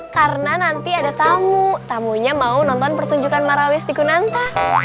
karena nanti ada tamu tamunya mau nonton pertunjukan marawis di kunanta